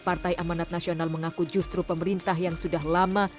partai amanat nasional mengaku justru pemerintah yang sudah lama